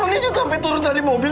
nungguin juga sampe turun dari mobil